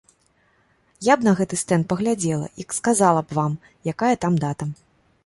Я б на гэты стэнд паглядзела, і сказала б вам, якая там дата.